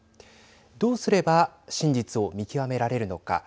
どうすれば真実を見極められるのか。